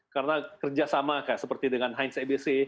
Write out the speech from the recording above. karena kerja sama seperti dengan heinz ebc